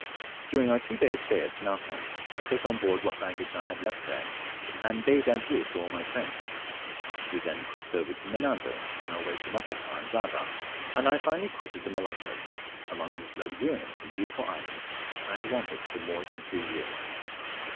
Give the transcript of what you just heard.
During our two days' stay at Ternate, I took on board what baggage I had left there, and bade adieu to all my friends. We then crossed over to Menado, on our way to Macassar and Java, and I finally quitted the Moluccas, among whose luxuriant and beautiful islands I had wandered for more than three years.